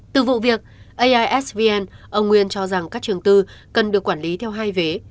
từ vụ việc aisvn ông nguyên cho rằng các trường tư cần được quản lý theo hai vé